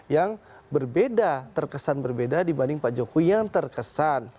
yang berbeda terkesan berbeda dibanding pak jokowi yang terkesan